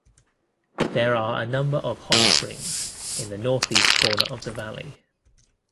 There are a number of hot springs in the northeast corner of the valley.